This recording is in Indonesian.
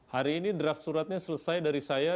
hari ini draft suratnya selesai dari saya